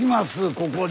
ここに。